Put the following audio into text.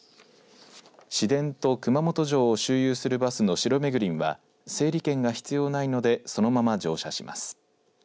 市電と熊本城を周遊するバスのしろめぐりんは整理券が必要ないのでそのまま乗車します。